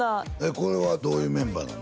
これはどういうメンバーなの？